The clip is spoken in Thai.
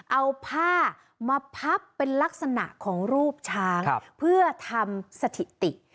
เอาผ้ามาพับเป็นลักษณะของรูปช้างเพื่อทำสถิติ